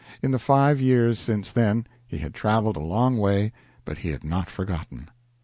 In the five years since then he had traveled a long way, but he had not forgotten.